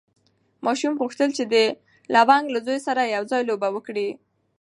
ماشوم غوښتل چې د لونګ له زوی سره یو ځای لوبه وکړي.